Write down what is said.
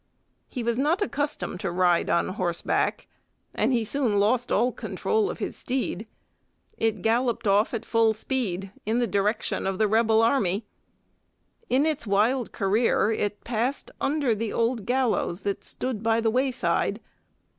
He was not accustomed to ride on horseback, and he soon lost all control of his steed. It galloped off at full speed, in the direction of the rebel army. In its wild career it passed under the gallows that stood by the wayside.